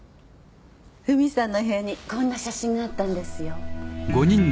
フミさんのお部屋にこんな写真があったんですよ。